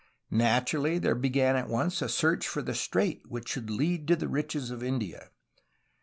Nat urally, there began at once a search for the strait which should lead to the riches of India.